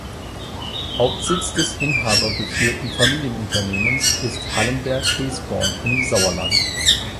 Hauptsitz des inhabergeführten Familienunternehmens ist Hallenberg-Hesborn im Sauerland.